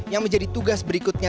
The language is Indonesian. yang menjadi tugas berikutnya